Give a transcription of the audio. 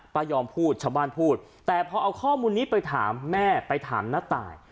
ไม่ยอมพูดชาวบ้านพูดแต่พอเอาข้อมูลนี้ไปถามแม่ไปถามน้าตาย